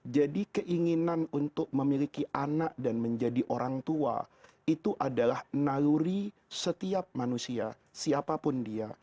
jadi keinginan untuk memiliki anak dan menjadi orang tua itu adalah naluri setiap manusia siapapun dia